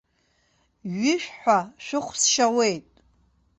Ҩышә ҳәа шәыхә сшьауеит.